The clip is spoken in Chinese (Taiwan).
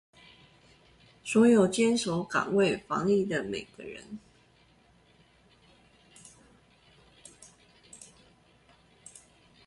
所有堅守崗位防疫的每個人